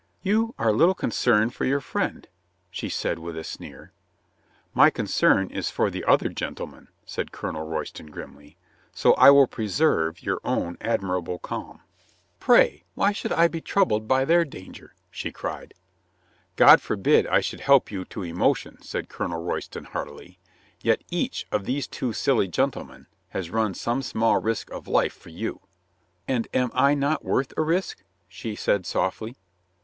"You are little concerned for your friend," she said with a sneer. "My concern is for the other gentleman," said Colonel Royston grimly. "So I will preserve your own admirable calm." 117 ii8 COLONEL GREATHEART "Pray, why should 1 be troubled by their dan ger?" she cried. "God forbid I should help you to emotion," said Colonel Royston heartily. "Yet each of these two silly gentlemen has run some small risk of life for you." "And am I not worth a risk?" she said softly.